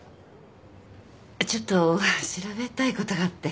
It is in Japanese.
ちょっと調べたいことがあって。